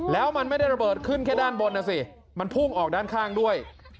แล้วมันไม่ได้ระเบิดขึ้นแค่ด้านบนนะสิมันพุ่งออกด้านข้างด้วย